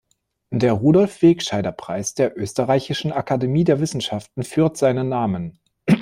Der Rudolf-Wegscheider-Preis der Österreichischen Akademie der Wissenschaften führt seinen Namen.